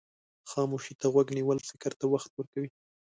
خاموشي ته غوږ نیول فکر ته وخت ورکوي.